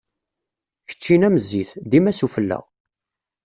Keččini am zzit, dima s ufella.